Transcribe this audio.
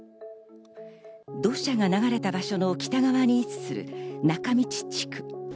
土砂が流れた場所の北側に位置する中道地区。